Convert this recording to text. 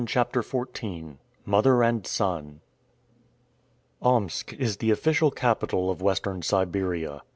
CHAPTER XIV MOTHER AND SON OMSK is the official capital of Western Siberia.